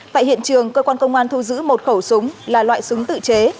tại hiện trường cơ quan công an thu giữ một khẩu súng là loại súng tự chế